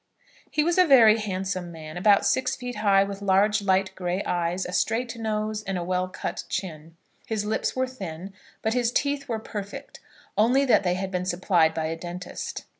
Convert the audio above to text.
He was a very handsome man, about six feet high, with large light grey eyes, a straight nose, and a well cut chin. His lips were thin, but his teeth were perfect, only that they had been supplied by a dentist.